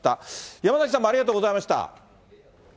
山崎さんもありがとうございました。